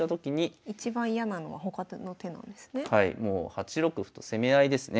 ８六歩と攻め合いですね。